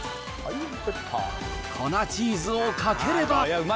粉チーズをかければ。